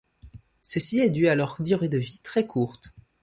Ceci est dû à leur durée de vie très courte.